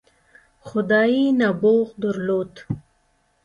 خدايي نبوغ درلود.